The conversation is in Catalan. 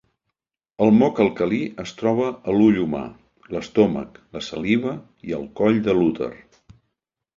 El moc alcalí es troba a l'ull humà, l'estómac, la saliva i el coll de l'úter.